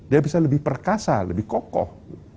dia bisa lebih perkasa lebih kokoh